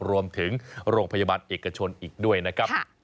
โรงพยาบาลเอกชนอีกด้วยนะครับ